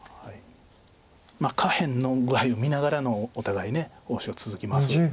下辺の具合を見ながらのお互い応手が続きます。